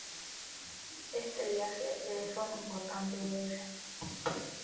Este viaje le deja una importante huella.